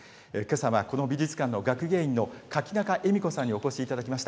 けさはこの美術館の学芸員の垣中絵美子さんにお越しいただきました。